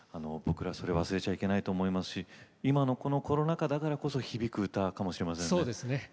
僕らそれを忘れちゃいけないと思いますし今のこのコロナ禍だからこそ響く歌かもしれませんね。